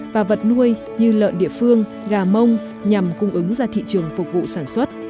và vật nuôi như lợn địa phương gà mông nhằm cung ứng ra thị trường phục vụ sản xuất